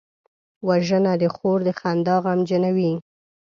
وژنه د خور د خندا غمجنوي